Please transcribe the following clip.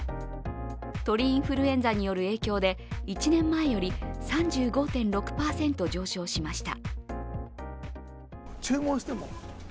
鳥インフルエンザによる影響で１年前より３５．６％上昇しました。